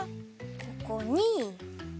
ここに。